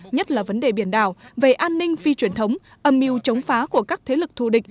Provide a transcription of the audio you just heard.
nhất là vấn đề biển đảo về an ninh phi truyền thống âm mưu chống phá của các thế lực thù địch